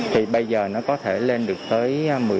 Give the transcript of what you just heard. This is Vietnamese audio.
thì bây giờ nó có thể lên được tới một mươi năm hai mươi